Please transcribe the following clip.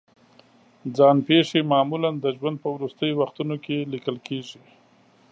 ځان پېښې معمولا د ژوند په وروستیو وختونو کې لیکل کېږي.